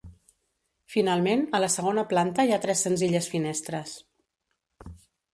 Finalment, a la segona planta hi ha tres senzilles finestres.